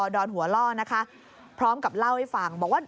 โดดลงรถหรือยังไงครับ